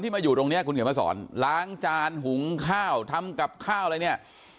มาอยู่ตรงนี้คุณเขียนมาสอนล้างจานหุงข้าวทำกับข้าวอะไรเนี่ย